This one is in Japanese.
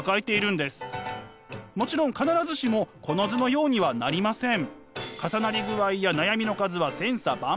もちろん必ずしもこの図のようにはなりません。